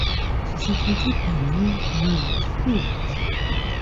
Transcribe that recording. Submitted by "Moonbeam" crew.